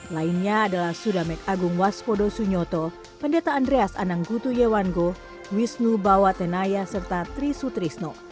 lainnya adalah sudhamek agung wasfodo sunyoto pendeta andreas ananggutu yewangu wisnu bawa tenaya serta tri sutrisno